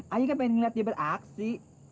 ayah kan pengen liat dia beraksi